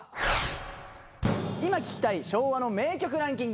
今聴きたい昭和の名曲ランキング